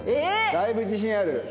だいぶ自信ある？